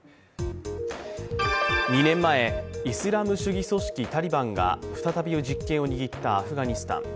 ２年前、イスラム主義組織タリバンが再び実権を握ったアフガニスタン。